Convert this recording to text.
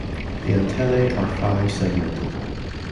The antennae are five segmented.